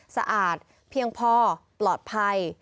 สะอาดเพียงพอปลอดภัย